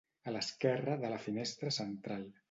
A l'esquerra de la finestra central: